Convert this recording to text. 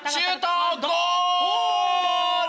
ゴール！